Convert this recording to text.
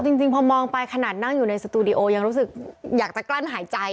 จริงพอมองไปขนาดนั่งอยู่ในสตูดิโอยังรู้สึกอยากจะกลั้นหายใจ